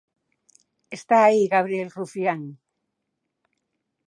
¡Está aí Gabriel Rufián!